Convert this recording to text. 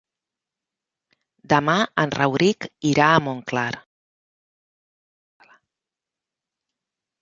Demà en Rauric irà a Montclar.